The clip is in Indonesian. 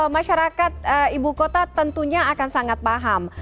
masyarakat ibu kota tentunya akan sangat paham